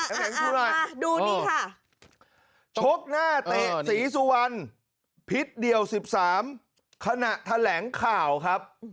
อ่าดูนี่ค่ะชกหน้าเตะสีสุวรรค์พิษเดี่ยว๑๓ขณะแถลงข่าวครับ